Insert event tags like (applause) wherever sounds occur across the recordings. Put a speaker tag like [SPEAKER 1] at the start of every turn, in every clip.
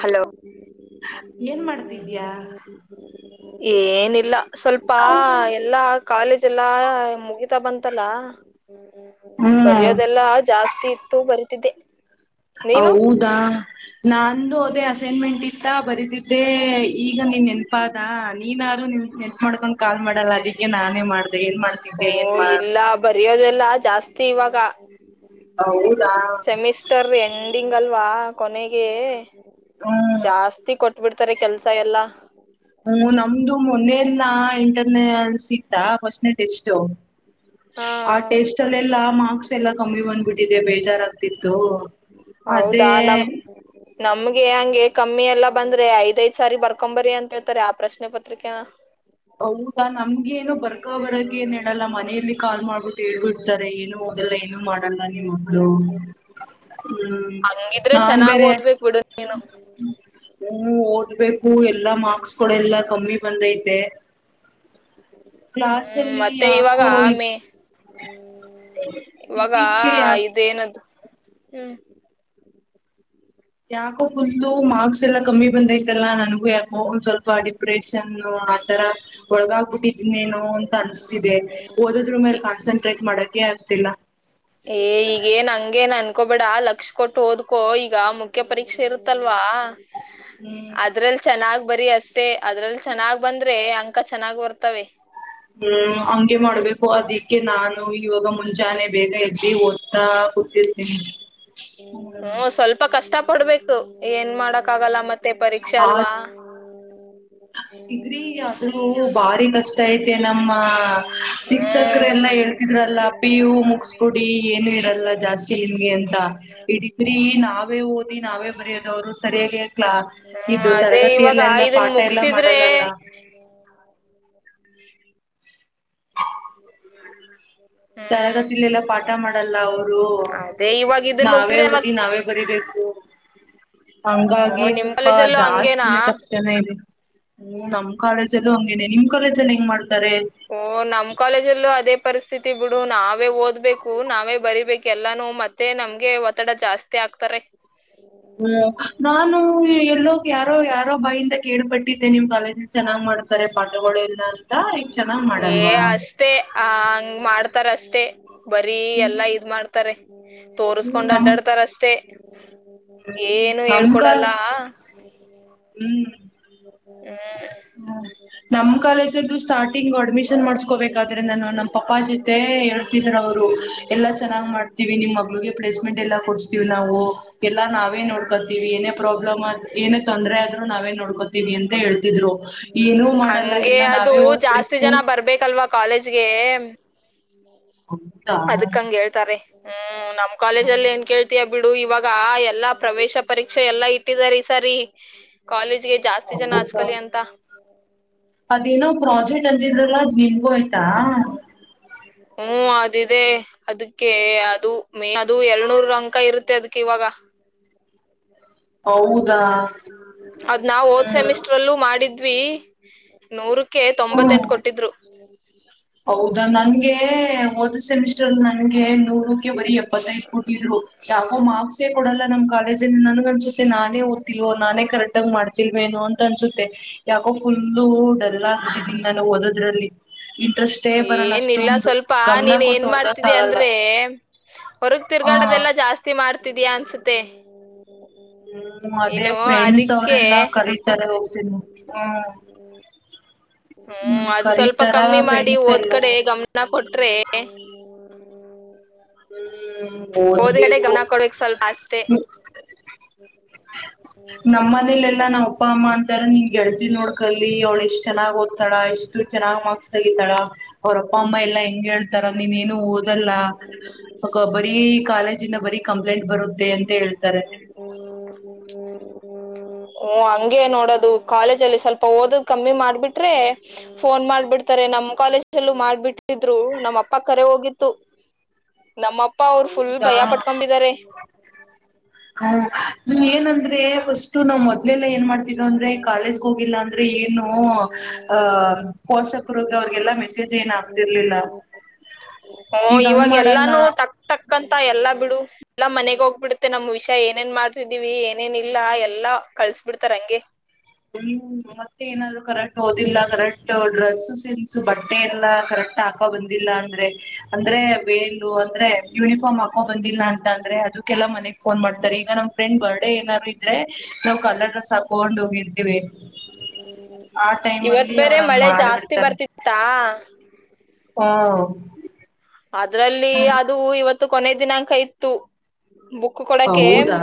[SPEAKER 1] Hello
[SPEAKER 2] ಏನ್ ಮಾಡ್ತಿದ್ಯಾ
[SPEAKER 1] ಏನಿಲ್ಲ ಸ್ವಲ್ಪ ಎಲ್ಲಾ ಕಾಲೇಜ್ ಎಲ್ಲಾ ಮುಗಿತಾ ಬಂತ್ ತಲ್ಲ. ಹ್ಮ್ ಹ್ಮ್ ಹ್ಮ್ ಬರಯೋದೆಲ್ಲ ಜಾಸ್ತಿ ಇತ್ತು ಬರಿ ತಿದೆ.
[SPEAKER 2] ಹೌದ. ನಂದು ಅದ್ ಅಸೈನ್ಮೆಂಟ್ ಇತ್ತ ಬರದಿದ್ದೆ ಈಗ ನೀನ್ ನೆನ್ಪ ಪದಾ ನೀನಾದ್ರು ನಿ ನೆನ್ಪ್ ಮಾಡ್ಕೊಂಡ್ ಕಾಲ್ ಮಾಡಲ್ಲ ಅದಿಕ್ಕೆ ನಾನೇ ಮಾಡ್ದೆ ಏನ್
[SPEAKER 1] ಓ
[SPEAKER 2] ಮಾಡ್ತಿದ್ದೆ ಏನ್ ಮಾಡ್
[SPEAKER 1] ಇಲ್ಲ ಬರಿಯೋದೆಲ್ಲಾ ಜಾಸ್ತಿ ಇವಾಗ.
[SPEAKER 2] ಹೌ
[SPEAKER 1] ಸೆಮಿಸ್ಟರ್ ಎಂಡಿಂಗ್ ಅಲ್ವಾ. ಕೊನೆಗೆ
[SPEAKER 2] ಹ್ಮ್
[SPEAKER 1] ಜಾಸ್ತಿ ಕೊಟ್ ಬುಡ್ತಾರೆ ಕೆಲ್ಸ ಎಲ್ಲಾ.
[SPEAKER 2] ಹ್ಮ್ ನಮ್ದು ಮೊನ್ನೆಲ್ಲ ಇಂಟ ನೆಲ್ಸ್ ಇತ್ತ ಫಾಸ್ಟ್ನೇ ಟೆಸ್ಟು.
[SPEAKER 1] ಹಾ
[SPEAKER 2] ಆ ಟೆಸ್ಟ್ ಅಲ್ ಎಲ್ಲ ಮಾರ್ಕ್ಸ್ ಎಲ್ಲಾ ಕಮ್ಮಿ ಬಂದ್ಬಿಟ್ ಇದೆ ಬೇಜಾರಾಗ್ತಿತ್ತು.
[SPEAKER 1] ಹೌದಾ
[SPEAKER 2] ಅದೇ
[SPEAKER 1] ನಮ್ ನಮ್ಗೆ ಹಂಗೆ ಕಮ್ಮಿ ಎಲ್ಲ ಬಂದ್ರೆ ಐದೈದ್ ಸಾರಿ ಬರ್ಕೊಂಬರಿ ಅಂತ ಹೇಳ್ತಾರೆ ಆ ಪ್ರಶ್ನೆ ಪತ್ರಿಕೆನ.
[SPEAKER 2] ಹೌದಾ ನಮ್ಗೆ ಏನು ಬರ್ಕೊ ಬರಕ ಏನ್ ಹೇಳಲ್ಲ ಮನೆಯಲ್ಲಿ ಕಾಲ್ ಮಾಡ್ಬಿಟ್ಟು ಹೇಳ್ಬಿಡ್ತಾರೆ ಏನು ಓದಲ್ಲ ಏನು ಮಾಡಲ್ಲ ನಿಮ್ ಮಗ್ಳು. ಹ್ಮ್
[SPEAKER 1] ಹಂಗಿದ್ರೆ
[SPEAKER 2] ನಾನ್
[SPEAKER 1] ಚೆನ್ನಾಗ್
[SPEAKER 2] ಬೇರೆ
[SPEAKER 1] ಓದ್ಬೇಕ್ ಬಿಡು ನೀನು
[SPEAKER 2] ಹ್ಮ ಓದ್ಬೇಕು ಎಲ್ಲಾ ಮಾರ್ಕ್ಸ್ ಕೂಳ್ ಎಲ್ಲಾ ಕಮ್ಮಿ ಬಂದೈತ್ ದೆ
[SPEAKER 1] ಹ್ಮ್
[SPEAKER 2] ಅಲ್ಲಿ
[SPEAKER 1] ಮತ್ತೆ ಇವಾಗ
[SPEAKER 2] ಯಾಕೋ
[SPEAKER 1] ಆಮೇ ಇವಾಗ
[SPEAKER 2] ಇತ್ತೀಚೆಗೆ ಯಾ
[SPEAKER 1] ಇದೇನ್ದ ಹ್ಮ್
[SPEAKER 2] ಯಾಕೋ ಫುಲು ಮಾರ್ಕ್ಸ್ ಎಲ್ಲ ಕಮ್ಮಿ ಬಂದೈತಲ್ಲ ನನ್ಗೂ ಯಾಕೋ ಒಂದ್ ಸ್ವಲ್ಪ ಡಿಪ್ ಪ್ರೇಷನ್ ಆತರ ಒಳಗಾಗ್ಬಿಟ್ಟಿದನೇನೊ ಅಂತ ಅನ್ಸ್ತಿದೆ ಓದದ್ರು ಮೇಲೆ ಕಾನ್ಸಂಟ್ರೇಟ್ ಮಾಡಕೆ ಆಗ್ತಿಲ್ಲ.
[SPEAKER 1] ಏ ಈಗೇನ್ ಹಂಗೆನ್ ಅಂ ಕೊಬೇಡ ಲಕ್ಷ್ ಕೊಟ್ಟು ಓದ್ಕೊ ಈಗ ಮುಖ್ಯ ಪರೀಕ್ಷೆ ಇರುತ್ತಲ್ವಾ.
[SPEAKER 2] ಹ್ಮ್
[SPEAKER 1] ಅದ್ರಲ್ ಚೆನ್ನಾಗ್ ಬರಿ ಅಷ್ ಷ್ಟೆ ಅದ್ರಲ್ ಚೆನ್ನಾಗ್ ಬಂದ್ರೆ ಅಂಕ ಚೆನ್ನಾಗ್ ಬರ್ತವೆ.
[SPEAKER 2] ಹ್ಮ್ ಹಂಗೆ ಮಾಡ್ಬೇಕು (unintelligible) ನಾನು ಇವಾಗ ಮನ್ ಮುಂಜಾನೆ ಬೇಗ ಎದ್ದಿ ಓದ್ತಾ ಕೂತಿ (unintelligible)
[SPEAKER 1] ಹು ಸ್ವಲ್ಪ ಕಷ್ಟಪ್ ಪಡ್ಬೇಕು ಏನ್ ಮಾಡಕ್ ಆಗಲ್ಲ ಮತ್ (unintelligible) ಪರೀಕ್ಷೆ ಅಲ್ವಾ?
[SPEAKER 2] ಡಿಗ್ರೀ ಅದೂ ಬಾರಿ ಕಷ್ಟ ಐತೆ ನಮ್ಮಾ ಶಿಕ್ಷಕರೆಲ್ಲಾ
[SPEAKER 1] ಹ್ಮ್
[SPEAKER 2] ಹೇಳ್ತಿದ್ರಲ್ಲ ಪಿಯು ಮುಗ್ಸ್ಕುಡಿ ಏನು ಇರಲ್ಲ ಜಾಸ್ತಿ ನಿಮ್ಗೆ ಅಂತ್ (unintelligible) ಹಿಡಿದ್ರಿ ನಾ ನಾವೇ ಓದಿ ನಾವೇ ಬರೆಯೋದು ಅವ್ರು ಸರಿಯಾಗೆ
[SPEAKER 1] ಹ್ಮೂ ಅದೇ ಇವಾಗ ಆ ಇದನ್
[SPEAKER 2] (unintelligible) ಎಲ್ಲ
[SPEAKER 1] ಮುಗಸಿದ್ರೆ
[SPEAKER 2] ಮಾಡಲ್ಲಲ್ಲ
[SPEAKER 1] ಹ್ಮ್
[SPEAKER 2] ತರಗತಿಲೆಲ್ಲ ಪಾಠ ಮಾಡಲ್ಲ ಅವ್ರು,
[SPEAKER 1] ಅದೇ ಇವಾಗ ಇದನ್
[SPEAKER 2] ನಾವೇ
[SPEAKER 1] ಮುಗಸಿದ್ರೆ ಅಲ್ವಾ
[SPEAKER 2] ಓದಿ ನಾವೇ ಬರಿಬೇಕು.
[SPEAKER 1] ಓ
[SPEAKER 2] ಹಂಗಾಗಿ
[SPEAKER 1] ನಿಮ್
[SPEAKER 2] ಸ್ವಲ್ಪ
[SPEAKER 1] ಕಾಲೇಜಲ್ಲೂ ಹಂಗೇನಾ
[SPEAKER 2] ಜಾಸ್ತಿನೇ ಕಷ್ಟನೇ ಇದೆ. ಹು ನಮ್ ಕಾಲೇಜ್ ಅಲ್ಲು ಹಂಗೇನೇ ನಿಮ್ ಕಾಲೇಜಲ್ಲಿ ಹೆಂಗ್ ಮಾಡ್ತಾರೆ.
[SPEAKER 1] ಓ ನಮ್ ಕಾಲೇಜಲ್ಲೂ ಅದೇ ಪರಿಸ್ ಥಿತಿ ಬಿಡು ನಾವೇ ಓದ್ಬೇಕು ನಾವೇ ಬರಿಬೇಕ್ ಎಲ್ಲಾನು ಮತ್ತೆ ನಮ್ಗೆ ಒತ್ತಡ ಜಾಸ್ತಿ ಆಗ್ತಾರೆ.
[SPEAKER 2] ಹ್ಮ ನಾನು ಯ ಎಲ್ಲೋಕ್ ಯಾರೋ ಯಾರೋ ಬಾಯಿಂದ ಕೇಳ್ ಪಟ್ಟಿದ್ದೆ ನಿಮ್ ಕಾಲೇಜಲ್ ಚೆನ್ನಾಗ್ ಮಾಡ್ತಾರೆ ಪಾಠಗಳುಲ್ಲ ಅಂತ ಯಾಕ್ ಚೆನ್ನಾಗ್ ಮಾಡಲ್ವಾ.
[SPEAKER 1] ತರಷ್ಟೇ ಬರೀ
[SPEAKER 2] ಹ್ಮ್
[SPEAKER 1] ಎಲ್ಲಾ ಇದ್ ಮಾಡ್ತಾರೆ.
[SPEAKER 2] ಹ್ಮ್
[SPEAKER 1] ತೋರುಸ್ಕೊಂಡ್
[SPEAKER 2] ನಮ್
[SPEAKER 1] ಅಡ್ಡಾಡ್ತಾರಷ್ಟೇ. ಸ್
[SPEAKER 2] ಹ್ಮ್
[SPEAKER 1] ಏನು
[SPEAKER 2] ನಮ್ ಕಾ
[SPEAKER 1] ಹೇಳ್ಕೊಡಲ್ಲ.
[SPEAKER 2] ಹ್ಮ್
[SPEAKER 1] ಹ್ಮ
[SPEAKER 2] ಹ್ಮ ನಮ್ ಕಾಲೇಜಲ್ಲು ಸ್ಟಾರ್ಟಿಂಗ್ ಅಡ್ಮಿಶನ್ ಮಾಡಸ್ಕೋಬೇಕಾದ್ರೆ ನಾನು ನಮ್ಮ್ ಪಪಾ ಜೊತೆ ಹೇಳ್ತಿದ್ರು ಅವ್ರು ಎಲ್ಲ ಚೆನ್ನಾಗ್ ಮಾಡ್ತೀವಿ ನಿಮ್ ಮಗಳುಗೆ ಪ್ಲೇಸ್ಮೆಂಟ್ ಎಲ್ಲಾ ಕೊಡ್ಸ್ತಿವಿ ನಾವು ಎಲ್ಲಾ ನಾವೇ ನೋಡ್ಕೋತೀವಿ ಏನೇ ಪ್ರಾಬ್ಲಮ್ ಆದ್ ಏನೇ ತೊಂದರೆ ಆದ್ರು ನಾವೇ ನೋಡ್ಕೋತೀವಿ ಅಂ ಹೇಳ್ತಿದ್ರು
[SPEAKER 1] ಹಂಗೆ ಅದು
[SPEAKER 2] ನಾವೇ
[SPEAKER 1] ಜಾಸ್ತಿ
[SPEAKER 2] ಓದ್ಬೇಕು
[SPEAKER 1] ಜನ ಬರ್ಬೇಕಲ್ವಾ ಕಾಲೇಜ್ ತ್ಗೆ.
[SPEAKER 2] ಹೌದಾ
[SPEAKER 1] ಅದಕ್ಕಂಗ್ ಹೇಳ್ತಾರೆ. ಹ್ಮ್ ನಮ್ಮ್ ಕಾಲೇಜಲ್ ಏನ್ ಕೇಳ್ತ್ಯ. ಬಿಡು ಇವಾಗ ಎಲ್ಲಾ ಪ್ರವೇಶ ಪರೀಕ್ಷೆ ಎಲ್ಲಾ ಇಟ್ಟಿದಾರ್ ಈ ಸರಿ ಕಾಲೇಜ್ ಜ್ ಜಾಸ್ತಿ ಜನ ಆಜ್
[SPEAKER 2] ಹೌದಾ
[SPEAKER 1] ಕಲಿ ಅಂತ.
[SPEAKER 2] ಅದೇನೋ ಪ್ರಾಜೆಕ್ಟ್ ಅಂದಿದ್ರಲ್ಲ ಬಿಗ್ಗೋಯ್ತಾ.
[SPEAKER 1] ಹ್ಮ ಅದ್ ಇದೆ ಅದಕ್ಕೆ ಅದು ಮೆ ಅದು ಎರಳ್ನೂರ್ ಅಂಕ ಇರುತ್ತೆ ಅದಕ್ ಇವಾಗ.
[SPEAKER 2] ಹೌದ್
[SPEAKER 1] ಅದ್ ನಾವ್ ಹೋದ್ ಸೆಮಿಸ್ಟರ್
[SPEAKER 2] ಹ್ಮ್
[SPEAKER 1] ಅಲ್ಲೂ ಮಾಡಿದ್ ದ್ವಿ ನೂರು ಕ್ಕೆ ತೊಂಬತ್ತೆಂಟ್
[SPEAKER 2] ಹ್ಮ್
[SPEAKER 1] ಕೊಟ್ಟಿದ್ರು.
[SPEAKER 2] ಹೌದಾ ನಂಗೆ ಗೆ ಒನ್ ಸೆಮಿಸ್ಟರ್ ನಂಗೆ ನೂರಕ್ಕೆ ಬರಿ ಎಪ್ಪತ್ತೈದ್ ಕೊಟ್ಟಿದ್ರು ಯಾಕೋ ಮಾರ್ಕ್ಸ್ ಸೆ ಕೊಡಲ್ಲ ನಮ್ ಕಾಲೇಜ್ಲ್ ನನ್ಗ ಅನ್ಸುತ್ತೆ ನಾನೇ ಓದ್ತಿಲ್ವೋ ನಾನೇ ಕರೆಕ್ಟ್ ಆಗ್ ಮಾಡ್ತಿಲ್ವೇನೋ ಅಂತ ಅನ್ಸುತ್ತೆ ಯಾಕೋ ಫುಲ್ಲು ಡಲ್ಲ ಆಗ್ಟ್ಟಿದ್ದೀನ್ ನನು ಓದೋದ್ರಲ್ಲಿ. ಇಂಟ್ರೆಸ್ಟೇ ಬರಲ್ಲ
[SPEAKER 1] ಏನ್ ಇಲ್ಲ
[SPEAKER 2] ಅಷ್ಟೊಂದು
[SPEAKER 1] ಸ್ವಲ್ಪ
[SPEAKER 2] ಗಮನ
[SPEAKER 1] ನೀನ್
[SPEAKER 2] ಕೊಟ್ಟು
[SPEAKER 1] ಏನ್
[SPEAKER 2] ಓದಕ್
[SPEAKER 1] ಮಾಡ್ತಿದ್ದಿ
[SPEAKER 2] ಆಗಲ್ಲ
[SPEAKER 1] ಅಂದ್ರೆ ಹೊರಗ್
[SPEAKER 2] ಹ
[SPEAKER 1] ತಿರ್ಗಾಡದೆಲ್ಲಾ ಜಾಸ್ತಿ ಮಾಡ್ ತಿದ್ಯ ಅನ್ಸುತ್ತೆ.
[SPEAKER 2] ಹ್ಮ್ ಅದೇ
[SPEAKER 1] ನೀನು
[SPEAKER 2] ಫ್ರೆಂಡ್ಸ್
[SPEAKER 1] ಅದಿಕ್ಕೆ
[SPEAKER 2] ಅವ್ರೆಲ್ಲಾ ಕರೀತಾರೆ ಹೋಗ್ತನಿ ಹ್ಮ.
[SPEAKER 1] ಹ್ಮ ಅದು ಸ್ವಲ್ಪ ಕಮ್ಮಿ ಮಾಡಿ
[SPEAKER 2] ಫ್ರೆಂಡ್ಸ್
[SPEAKER 1] ಓದ್
[SPEAKER 2] ಎಲ್ಲ
[SPEAKER 1] ಕಡೆ ಗಮ್ನ ಕೊಟ್ರೆ. (unintelligible)
[SPEAKER 2] ಹ್ಮ್
[SPEAKER 1] ಓದಿ ಕಡೆ
[SPEAKER 2] ಓದ್ಬೇಕು,
[SPEAKER 1] ಗಮನ ಕೊಡ್ಬೇಕಕ್ ಸ್ವಲ್ಪ ಅಷ್ಟೇ
[SPEAKER 2] ನಮ್ ಮನೇಲೆ ಲ್ಲಾ ನಾವ್ ಅಪ್ಪ ಅಮ್ಮ ಅಂತಾರ ನಿನ್ ಗೆಳ್ತಿನ್ ನೋಡ್ಕಲಿ ಅವ್ಳು ಎಷ್ಟ್ ಚೆನ್ನಾಗ್ ಓದ್ತಾಳ ಇಷ್ಟ ಚೆನ್ನಾಗ್ ಮಾರ್ಕ್ಸ್ ತಗಿತಾಳ ಅವ್ರ ಅಪ್ಪ ಅಮ್ಮ ಎಲ್ಲಾ ಹೆಂಗ್ ಹೇಳ್ತಾರ ನೀನೇನು ಓದಲ್ಲ. ಆಗೋ ಬರೀ ಕಾಲೇಜಿಂದ ಬರಿ ಕಂ ಪ್ಲಂಟ್ ಬರುತ್ತೆ ಅಂತ ಹೇಳ್ತಾರೆ.
[SPEAKER 1] ಓ ಹಂಗೆ ನೋಡದು ಕಾಲೇಜಲ್ಲಿ ಸ್ವಲ್ಪ ಓದದ್ ಕಮ್ಮಿ ಮಾಡ್ಬಿಟ್ರೆ ಫೋನ್ ಮಾಡ್ಬಿಡ್ತಾರೆ ನಮ್ ಕಾಲೇಜಲ್ಲೂ ಮಾಡ್ಬಿಟ್ಟಿದ್ರು ನಮ್ಮ ಅಪ್ಪ ಕರೆ ಹೋಗಿತ್ತು. ನಮ್ಮಪ್ಪ ಅವ್ರ ಫುಲ್
[SPEAKER 2] ಹೌದಾ
[SPEAKER 1] ಭಯ ಪಟ್ಕೊಂಬಿದ್ದಾರೆ.
[SPEAKER 2] ಹ
[SPEAKER 1] (unintelligible)
[SPEAKER 2] ಏನಂದ್ರೆ ಫಾಷ್ (unintelligible) ನಾವ್ ಮೊದ್ಲೆಲ್ಲ ಏನ್ ಮಾಡ್ತಿದ್ದೋ ಅಂದ್ರೆ ಕಾಲೇಜ್ಗ್ ಹೋಗಿಲ್ಲ ಅಂದ್ರೆ ಏನೂ ಆ ಪೋಷಕರ್ಗ್ ಅವ್ರ್ಗೆಲ್ಲಾ ಮೆಸೇಜ್ ಏನ್ ಹಾಕ್ತಿರ್ಲಿಲ್ಲ, ಈಗ್ ಹಂಗ್ ಮಾಡಲ್ಲ
[SPEAKER 1] ಟಕ್ಕಂತ ಎಲ್ಲಾ ಬಿಡು ಎಲ್ಲಾ ಮನೆಗ್ ಹೋಗ್ಬಿಡುತ್ತೆ ನಮ್ ವಿಷ್ಯ ಏನೇನ್ ಮಾಡ್ತಿದೀವಿ ಏನೇನ್ ಇಲ್ಲ ಎಲ್ಲಾ ಕಳ್ಸ್ ಬಿಡ್ತಾರ್ ಹಂಗೆ.
[SPEAKER 2] (unintelligible) ಮತ್ತೆ ಏನಾದ್ರು? ಕರೆಕ್ಟ್ ಓದಿಲ್ಲ ಕರೆಕ್ಟು ಡ್ರೆಸ್ ಸೆನ್ಸ್ ಬಟ್ಟೆ ಎಲ್ಲ ಕರೆಕ್ಟ್ ಟಾಕೋ ಬಂದಿಲ್ಲ ಅಂದ್ರೆ ಅಂದ್ರೆ ವೇಲ್ (unintelligible) ಅಂದ್ರೆ ಯೂನಿಫಾರ್ಮ್ ಹಾಕೋ ಬಂದಿಲ್ಲ ಅಂತ್ ತಂದ್ರೆ ಅದುಕ್ಕೆಲ್ಲ ಮನೆಗ್ ಫೋನ್ ಮಾಡ್ತಾರೆ ಈಗ ನಮ್ ಫ್ರೆಂಡ್ ಬರ್ಡೇ ಏನಾರು ಇದ್ರೆ ನಾವ್ ಕಲರ್ ಡ್ರೆಸ್ ಹಾಕೋಂಡ್ ಹೋಗಿ (unintelligible) ಟೈಮ್
[SPEAKER 1] ಇವತ್
[SPEAKER 2] ಅಲ್ಲಿ
[SPEAKER 1] ಬೇರೆ
[SPEAKER 2] ಅವ್ರ ಹಂಗ್
[SPEAKER 1] ಮಳೆ ಜಾಸ್ತಿ ಬರ್ತಿತ್ತಾ
[SPEAKER 2] ಔ.
[SPEAKER 1] ಅದ್ರಲ್ಲೀ ಅದು ಇವತ್ ತ್ತು ಕೊನೇ ದಿನಾಂಕ ಇತ್ತು. ಬುಕ್ಕು ಕೊಡಕೆ,
[SPEAKER 2] ಹೌದಾ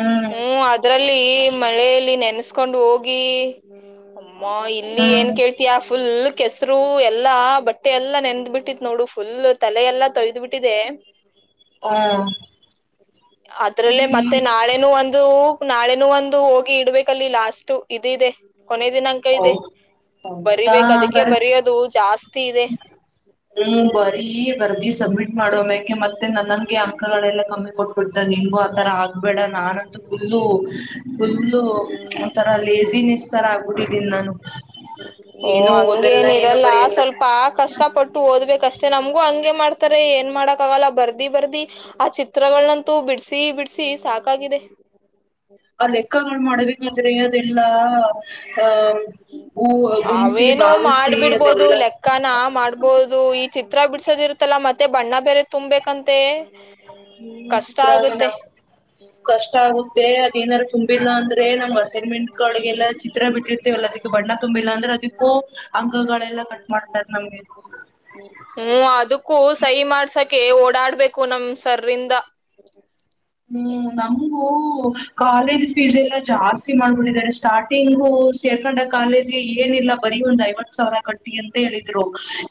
[SPEAKER 2] ಹ್ಮ್
[SPEAKER 1] ಹೂಂ ಅದ್ರಲ್ಲೀ ಮಳೇಲಿ ನೆನ್ಸ್ ಕೊಂಡ್ ಹೋಗ್ ಗಿ. ಅಮ್ಮ ಇಲ್ಲಿ ಏನ್
[SPEAKER 2] ಹ್ಮ್
[SPEAKER 1] ಕೇಳ್ತಯಾ ಫುಲ್ ಕೆಸ್ರು ಎಲ್ಲಾ ಬಟ್ಟೆ ಎಲ್ಲಾ ನೆದ್ ಬಿಟ್ಟಿತ್ ನೋಡು ಫುಲ್ ತಲೆ ಎಲ್ಲಾ ತೊಯ್ದ್ಬಿಟ್ಟಿದೆ.
[SPEAKER 2] ಹಾ
[SPEAKER 1] ಅದ್ರಲ್ಲೇ ಮತ್ತೆ ನಾಳೆನೂ ಒಂದು. ನಾಳೆನು ಒಂದು ಹೋಗಿ ಇಡ್ಬೇಕಲ್ಲಿ ಲಾಸ್ಟ್ ಇದ್ ಇದೆ. ಕೊನೆ ದಿನಾಂಕ
[SPEAKER 2] ಹೌ
[SPEAKER 1] ಇದೆ
[SPEAKER 2] ಹೌದಾ
[SPEAKER 1] ಬರಿಬೇಕ್ ಅದಕ್ಕೆ
[SPEAKER 2] ಹಂಗಾರೆ
[SPEAKER 1] ಬರಿಯೋದು ಜಾಸ್ತಿ ಇದೆ.
[SPEAKER 2] ಮಾಡೋ ಮ್ಯೆಗೆ ಮತ್ತೆ ನನ್ನನ್ಗೆ. ಅಂಕಗಳೆಲ್ಲ ಕಮ್ಮಿ ಕೊಟ್ಬುಡ್ತಾರೆ ನಿಂಗು ಆತರ ಆಗ್ ಬೇಡ ನಾನಂತು ಫುಲ್ಲ ಫುಲ್ಲು ಒಂತರ ಲೇಸಿನೆಸ್. ಸರಾ ಹುಡಿದಿನ್ ನಾನು.
[SPEAKER 1] ಓ
[SPEAKER 2] ಏನು ಓದಲ್ಲ
[SPEAKER 1] ಹಂಗೇನ್
[SPEAKER 2] ಏನು
[SPEAKER 1] ಇರಲ್ಲ
[SPEAKER 2] ಬರೆಯಲ್ಲ
[SPEAKER 1] ಸ್ವಲ್ಪ ಕಷ್ಟಪಟ್ಟು ಓದ್ಬೇಕಷ್ ಚೆ ನಮ್ಗೂ ಹಂಗೆ ಮಾಡ್ತಾರೆ ಏನ್ ಮಾಡಕ್ ಆಗಲ್ಲ ಬರ್ದಿ ಬರ್ದಿ ಆ ಚಿತ್ರಗಳನಂತೂ ಬಿಡ್ಸಿ ಬಿಡ್ಸಿ ಸಾಕಾಗಿದೆ.
[SPEAKER 2] ಆ ಲೆಕ್ಕಗಳ್ ಮಾಡಬೇಕಾದ್ರೆ ಅದೆಲ್ಲ.
[SPEAKER 1] ಅವೇನೋ
[SPEAKER 2] ಬಾಗುಸಿ
[SPEAKER 1] ಮಾಡ್ಬಿಡ್ಬೋದು
[SPEAKER 2] ಅದೆಲ್ಲ
[SPEAKER 1] ಲೆಕ್ಕಾನ ಮಾಡ್ಬೋದು ಈ ಚಿತ್ರ ಬಿಡ್ಸೋದ್ ಇರುತ್ತಲ್ಲ ಮತ್ತೆ ಬಣ್ಣ ಬೇರೆ ತುಂಬೇಕಂತೆ.
[SPEAKER 2] ಹ್ಮ್
[SPEAKER 1] ಕಷ್ಟ
[SPEAKER 2] ಚಿತ್ರ ಹಾಗೆ ನಾ
[SPEAKER 1] ಆಗುತ್ತೆ
[SPEAKER 2] ಕಷ್ಟ ಆಗುತ್ತೆ ಅದೇನಾರು ತುಂಬಿಲ್ಲ ಅಂದ್ರೆ ನಮ್ ಅಸೈನ್ಮೆಂಟ್ ಗಳ್ಗೆಲ್ಲ ಚಿತ್ರ ಬಿಟ್ಟಿರ್ತಿವ ಅದ್ಕ್ ಬಣ್ಣ ತುಂಬಿಲ್ಲ ಅಂದ್ರೆ ಅದಕ್ಕೂ ಅಂಕಗಳೆಲ್ಲ ಕಟ್ ಮಾಡ್ತಾರೆ ನಮ್ಗೆ.
[SPEAKER 1] ಕೆ ಓಡಾಡ್ಬೇಕು ನಮ್ ಸರಿಂದ.
[SPEAKER 2] ಹ್ಮ್ ನಮ್ಗೂ ಕಾಲೇಜ್ ಫೀಸ್ ಎಲ್ಲಾ ಜಾಸ್ತಿ ಮಾಡ್ಬಿಟ್ಟಿದ್ದಾರೆ ಸ್ಟಾರ್ಟಿಂಗು ಸೇರ್ಕಂಡಾಗ್ ಕಾಲೇಜ್ಗೆ ಏನಿಲ್ಲ ಬರಿ ಒಂದ್ ಐವತ್ ಸಾವ್ರ ಕಟ್ಟಿ ಅಂತ ಹೇಳಿದ್ರು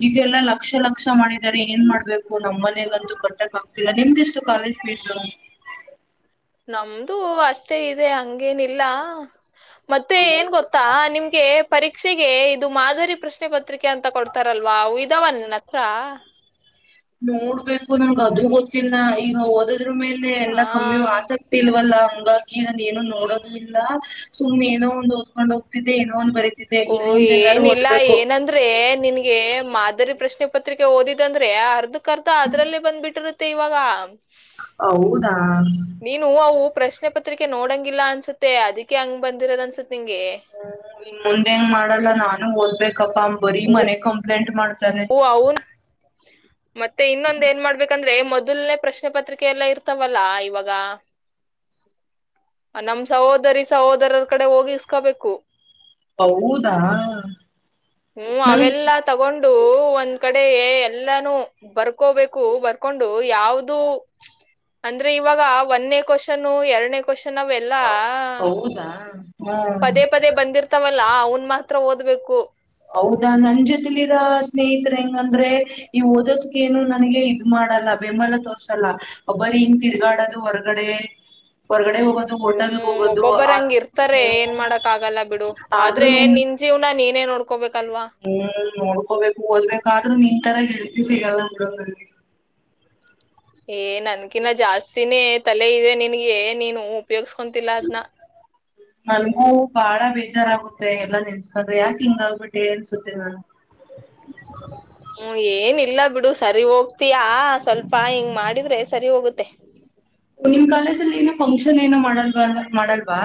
[SPEAKER 2] ಈಗೆಲ್ಲಾ ಲಕ್ಷ ಲಕ್ಷ ಮಾಡಿದ್ದಾರೆ ಏನ್ ಮಾಡ್ಬೇಕು ನಮ್ ಮನೆಲ್ಲಂತೂ ಕಟ್ಟಕ್ ಆಗ್ತಿಲ್ಲ ನಿಮ್ದಷ್ಟು ಕಾಲೇಜ್ ಫೀಸು.
[SPEAKER 1] ನಮ್ದು ಅಷ್ಟೇ ಇದೆ ಹಂಗೇನಿಲ್ಲ. ಮತ್ತೆ ಏನ್ ಗೊತ್ತಾ ನಿಮ್ಗೆ ಪರೀಕ್ಷೆಗೆ ಇದು ಮಾದರಿ ಪ್ರಶ್ನೆ ಪತ್ರಿಕೆ ಅಂತ ಕೊಡ್ತಾರಲ್ವಾ ಅವ್ ಇದವ ನಿನ್ ಹತ್ರ.
[SPEAKER 2] ನೋಡ್ಬೇಕು ನನ್ಗ ಅದು ಗೊತ್ತಿಲ್ಲ ಈಗ ಓದ್ ಓದದ್ರು ಮೇಲೆ ಎಲ್ಲಾ
[SPEAKER 1] ಹಾ
[SPEAKER 2] ಕಮ್ಮಿಯು ಆಸಕ್ತಿ ಇಲ್ವಲ್ಲ. ಒಂಬಕ್ಕಿ ಏನೋ ನೋಡದ್ ಇಲ್ಲ ಸುಮ್ ಏನೋ ಒಂದ್ ಓದ್ಕೊಂಡ ಹೋಗ್ತಿದ್ದಿದೆ ಏನೋ ಒಂದ್ ಬರೀ
[SPEAKER 1] ಓ ಏನಿಲ್ಲ ಏನಂದ್ರೆ ನಿನ್ಗೆ ಮಾದರಿ ಪ್ರಶ್ನೆ ಪತ್ರಿಕೆ ಓದಿದಂದ್ರೆ ಅರ್ಧಕ್ ಅರ್ಧ ಅದ್ರಲ್ಲೇ ಬಂದ್ಬಿಟ್ಟಿರುತ್ತೆ ಇವಾಗ.
[SPEAKER 2] ಹೌದಾ
[SPEAKER 1] ನೀನು ಅವು ಪ್ರಶ್ನೆ ಪತ್ರಿಕೆ ನೋಡಂಗಿಲ್ಲ ಅನ್ಸುತ್ತೆ ಅದಿಕ್ಕೆ ಹಂಗ್ ಬಂದಿರದ್ ಅನ್ಸುತ್ ನಿಂಗೆ
[SPEAKER 2] ಹ್ಮ್ ಇನ್ ಮುಂದ ಹಿಂಗ್ ಮಾಡಲ್ಲ ನಾನು ಓದ್ಬೇಕ್. ಕಪ್ಪ ಬರಿ ಮನೆ ಕಂಪ್ಲೆಂಟ್ ಮಾಡ್
[SPEAKER 1] ಓ ಅವ್ನ್ ಮತ್ತೆ ಇನ್ನೊಂದ್ ಏನ್ ಮಾಡ್ಬೇಕಂದ್ರೆ ಮೊದಲ್ನೇ ಪ್ರಶ್ನೆ ಪತ್ರಿಕೆ ಎಲ್ಲ ಇರ್ತಾವಲ್ಲಾ ಇವಾಗ ನಮ್ ಸಹೋದರಿ ಸಹೋದರರ ಕಡೆ ಹೋಗಿ ಇಸ್ಕೋಬೇಕು.
[SPEAKER 2] ಹೌದಾ ನನ್ಗ್
[SPEAKER 1] ದು ಒಂದ್ ಕಡೆ ಎ ಎಲ್ಲಾನು ಬರ್ಕೋಬೇಕು ಬರ್ಕೊಂಡು ಯಾವ್ದು ಅಂದ್ರೆ ಇವಾಗ ಒಂದ್ನೇ ಕೋಶನು ಎರ್ಡ್ನೆ. ಕೋಶನ್ನವೆಲ್ಲಾ
[SPEAKER 2] ಹೌದಾ ಹ್ಮ್
[SPEAKER 1] ಪದೇ ಪದೇ ಬಂದಿರ್ತಾವಲ್ಲ ಅವ್ನ್ ಮಾತ್ರ ದ್ಬೇಕು
[SPEAKER 2] ಹೌದಾ ನಂಜ್ ರಲ್ಲಿ ಇರ ಸ್ನೇಹಿತ್ರ ಹೆಂಗಂದ್ರೆ. ಈ ಓದೋದಕೆನು ನನಗೆ ಇದ್ ಮಾಡಲ್ಲ ಬೆಂಬಲ ತೋರ್ಸಲ್ಲ ಒಬರಿ ಇಂಗ್ ತಿರ್ಗಾಡದು ಹೊರ್ಗಡೆ. ಹೊರ್ಗಡೆ ಹೋಗೋದು ಹೋಟೆಲ್ಗ್
[SPEAKER 1] ಹ್ಮ್
[SPEAKER 2] ಹೋಗೋದು
[SPEAKER 1] ಒಬ್ಬೊಬ್ಬರ
[SPEAKER 2] ಆ
[SPEAKER 1] ಹಂಗ್ ಇರ್ತಾರೆ
[SPEAKER 2] ಹ್ಮ್
[SPEAKER 1] ಏನ್ ಮಾಡಕ್ ಆಗಲ್ಲ ಬಿಡು ಆದ್ರೆ ನಿನ್ ಜೀವ್ನ ನೀನೇ ನೋಡ್ಕ ಕೊಬೇಕ್
[SPEAKER 2] ಹ್ಮ್ ನೋಡ್ಕೋಬೇಕು ಓದ್ಬೇಕಾದ್ರೂ ನೀನ್ ತರ. ಸಿಗಲ್ಲ ಬಿಡು ನಂಗೆ.
[SPEAKER 1] ಏ ನನ್ಕಿನ ಜಾಸ್ತಿನೇ ತಲೆ ಇದೆ ನನ್ಗೆ ನೀನು. ಉಪಯೋಗ್ಸ್ಕೊಂತಿಲ್ಲ ಅದ್ನ
[SPEAKER 2] ನನ್ಗೂ ಬಾಳ ಬೇಜಾರಾಗು ತೆ ಎಲ್ಲಾ ನೆನ್ಸ್ಕೊಂಡ್ರೆ ಯಾಕ್ ಹಿಂಗ್ ಆಗ್ಬಿಟ್ಟೆ ಅನ್ಸುತ್ತೆ ನನ್
[SPEAKER 1] ಹ್ಮ ಏನಿಲ್ಲ ಬಿಡು ಸರಿ ಹೋಗ್ತಿಯಾ ಸ್ವಲ್ಪ ಹಿಂಗ್ ಮಾಡಿದ್ರೆ ಸರಿ ಹೋಗುತ್ತೆ.
[SPEAKER 2] ನಿಮ್ ಕಾಲೇಜ್ಲ್ ಏನೋ ಫಂಕ್ಷನ್ ಏನೋ ಮಾಡಲ್ವಾ ಮಾಡಲ್ವಾ.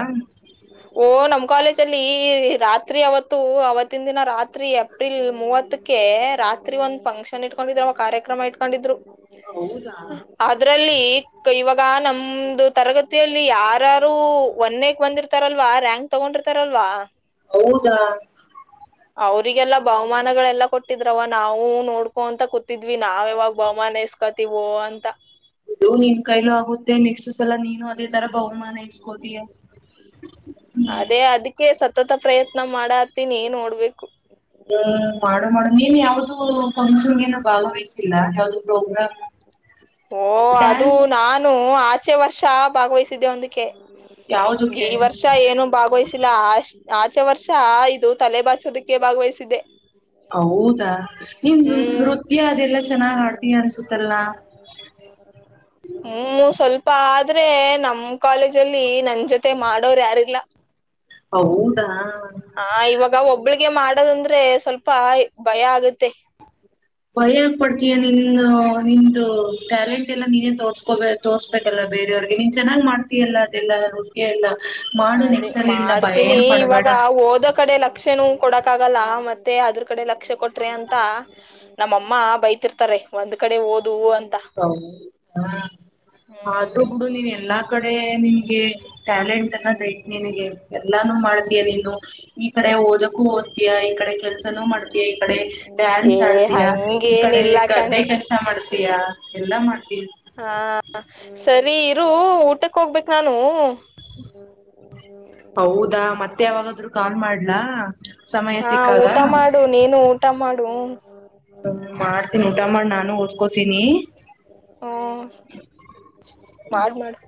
[SPEAKER 1] ಓ ನಮ್ ಕಾಲೇಜ್ ಅಲ್ಲಿ ರಾತ್ರಿ ಅವತ್ತು ಅವತ್ತಿನ್ ದಿನ ರಾತ್ರಿ ಏಪ್ರಿಲ್ ಮೂವತ್ತಕ್ಕೆ ರಾತ್ರಿ ಒಂದ್ ಫಂಕ್ಷನ್ ಇಟ್ಕೊಂಡಿದ್ರ ಅವ್ ಕಾರ್ಯಕ್ರಮ ಇಟ್ಕೊಂಡಿದ್ರು.
[SPEAKER 2] ಹೌದಾ
[SPEAKER 1] ಅದ್ರಲ್ಲಿ ಗ್ ಇವಾಗ್ ಈಗ ನಮ್ದು ತರಗತಿಯಲ್ಲಿ ಯಾರಾರು ಒನ್ನೇ ಬಂದಿರ್ ಇರ್ತಾರಲ್ವಾ ರ್ಯಾಂಕ್ ತೊಗೊಂಡಿರ್ತಾರಲ್ವಾ.
[SPEAKER 2] ಹೌದಾ
[SPEAKER 1] ಅವ್ರಿಗೆಲ್ಲಾ ಬಹುಮಾನಗಳೆಲ್ಲಾ ಕೊಟ್ಟಿದ್ರವ್ವ ನಾವು ನೋಡ್ಕೊಂತ ಕೂತಿದ್ವಿ ನಾವ್ ಯಾವಾಗ್ ಬಹುಮಾನ ಇಸ್ಕೋತಿವೋ ಅಂತ.
[SPEAKER 2] ಇದು ನಿನ್ ಕೈಲು ಆಗುತ್ತೆ ನೆಕ್ಸ್ಟ್ ಸಲ ನೀನು ಅದೇ ತರ ಬಹುಮಾನ ಇಸ್ಕೊತೀಯ ಹ್ಮ.
[SPEAKER 1] ಅದೇ ಅದಕ್ಕೆ ಸತತ ಪ್ರಯತ್ನ ಮಾಡತೀನಿ ನೋಡ್ಬೇಕು.
[SPEAKER 2] ಉ ಫಂಕ್ಷನ್ಗೇನು ಭಾಗವಹಿಸಿಲ್ಲ ಯಾವ್ದು ಪ್ರೋಗ್ರಾಮು.
[SPEAKER 1] ಓ ಅದು ನಾನು ಆ ಚ್ಚೆ ವರ್ಷ ಭಾಗವಹಿಸಿದ್ದೆ ಒಂದುಕೆ.
[SPEAKER 2] ಯಾವ್ದಕ್ಕೆ
[SPEAKER 1] ಈ ವರ್ಷ ಏನು ಭಾಗವಹ್ಸಿಲ್ಲ ಅಷ್ ಆಚೆ ವರ್ಷ ಇದು ತಲೆ ಬಾಚೋದಕ್ಕೆ ಭಾಗವಹಿಸಿದೆ.
[SPEAKER 2] ಹೌದಾ ನಿನ್ ನೃ ನೃತ್ಯ ಅದೆಲ್ಲಾ ಚೆನ್ನಾಗ್ ಹಾಡ್ತೀಯ ಅನ್ಸುತ್ತಲ್ಲ.
[SPEAKER 1] ಹ್ಮ ಮು ಸ್ವಲ್ಪ ಆದ್ರೆ ನಮ್ ಕಾಲೇಜಲ್ಲಿ ನನ್ ಜೊತೆ ಮಾಡೋರ್ ಯಾರಿಲ್ಲ.
[SPEAKER 2] ಹೌದಾ
[SPEAKER 1] ಹ ಇವಾಗ ಒಬ್ಬಳಿಗೆ ಮಾಡ್ ಮಾಡದಂದ್ರೆ ಸ್ವಲ್ಪ ಭಯ ಆಗುತ್ತೆ.
[SPEAKER 2] ನೊ ನಿನ್ದು ಟ್ಯಾಲೆಂಟ್ ಎಲ್ಲ ನೀನೇ ತೋರ್ಸ್ಕೊ ತೋರ್ಸ್ಬೇಕಲ್ಲ ಬೇರೆಯವ್ರಿಗೆ ನೀನ್ ಚೆನ್ನಾಗ್ ಮಾಡ್ತೀಯಲ್ಲ ಅದೆಲ್ಲ ನೃತ್ಯ ಎಲ್ಲ. ಮಾಡು
[SPEAKER 1] ಅದೇ
[SPEAKER 2] ನೆಕ್ಸ್ಟ್ ಸಲಿಂದ ಭಯ
[SPEAKER 1] ಮಾಡ್ತೀನಿ
[SPEAKER 2] ಏನ್
[SPEAKER 1] ಇವಾಗ
[SPEAKER 2] ಪಡ್ಬೇಡ
[SPEAKER 1] ಓದೋ ಕಡೆ ಲಕ್ಷನೂ ಕೊಡಕಾಗ್ ಆಗಲ್ಲ ಮತ್ತೆ ಅದ್ರ ಕಡೆ ಲಕ್ಷ ಕೊಟ್ರೆ ಅಂತ ನಮ್ಮಮ್ಮ ಬೈತಿರ್ತಾರೆ ಒಂದ್ ಕಡೆ ಓದ್
[SPEAKER 2] ಹ ಆದ್ರೂ
[SPEAKER 1] ಹ್ಮ್
[SPEAKER 2] ಬುಡು ನೀನ್ ಎಲ್ಲಾ ಕಡೆ ನಿನ್ಗೆ ಟ್ಯಾಲೆಂ ಟ್ ಅನ್ದ ಐತ್ ನಿನ್ಗೆ ಎಲ್ಲಾನು ಮಾಡ್ತೀಯ ನೀನು. ಈ ಕಡೆ ಓದಕ್ಕೂ ಓದ್ತಿಯ ಈ ಕಡೆ ಕೆಲ್ಸನೂ ಮಾಡ್ತಿಯ ಈ ಕಡೆ ಡ್ಯಾನ್ಸ್
[SPEAKER 1] ಏ
[SPEAKER 2] ಆಡ್ತಿಯ ಈ ಕಡೆ
[SPEAKER 1] ಹಂಗೇನಿಲ್ಲ
[SPEAKER 2] ಗದ್ದೆ
[SPEAKER 1] ಕಣೆ
[SPEAKER 2] ಕೆಲ್ಸ ಮಾಡ್ತಿಯ.
[SPEAKER 1] ಹಾ ಸರ್ ರೀ ಇರು ಊಟಕ್ ಹೋಗ್ಬೇಕ್ ನಾನು.
[SPEAKER 2] ಹೌದಾ ಮತ್ತೆ ಯಾವಾಗಾದ್ರೂ ಕಾಲ್ ಮಾಡ್ಲಾ. ಸಮಯ
[SPEAKER 1] ಹಾ
[SPEAKER 2] ಸಿಕ್ಕಾಗ
[SPEAKER 1] ಊಟ ಮಾಡು ನೀನು ಊಟ ಮಾಡು.
[SPEAKER 2] ಹ ಮಾಡ್ತೀನಿ ಊಟ ಮಾಡ್ ನಾ ನಾನು ಓದ್ಕೊತೀನಿ.
[SPEAKER 1] ಓ ಮಾಡ್ ಮಾಡ್.